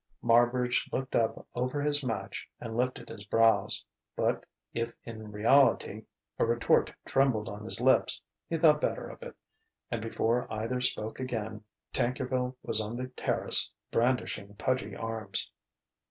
Marbridge looked up over his match and lifted his brows; but if in reality a retort trembled on his lips, he thought better of it; and before either spoke again, Tankerville was on the terrace, brandishing pudgy arms.